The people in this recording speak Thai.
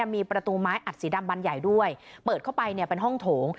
มีประตูไม้อัดสีดำบันใหญ่ด้วยเปิดเข้าไปเป็นห้องโถง